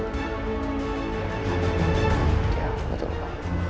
ya betul pak